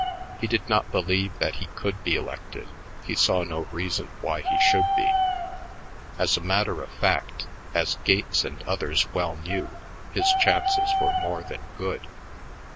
He did not believe that he could be elected; he saw no reason why he should be. As a matter of fact, as Gates and others well knew, his chances were more than good.